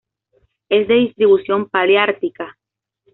Es de distribución paleártica.